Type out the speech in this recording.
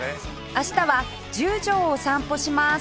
明日は十条を散歩します